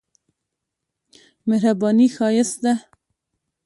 مهرباني ښايست ده.